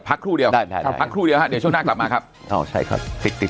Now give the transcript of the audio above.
พักครู่เดียวเดี๋ยวช่วงหน้ากลับมาครับ